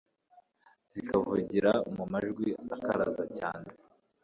zikavugira mu majwi akaraza cyane